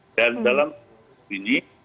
dan dalam ini